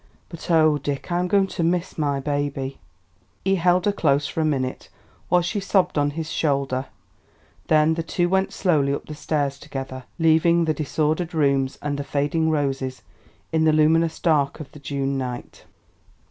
But, O Dick, I'm going to miss my baby!" He held her close for a minute while she sobbed on his shoulder; then the two went slowly up the stairs together, leaving the disordered rooms and the fading roses in the luminous dark of the June night.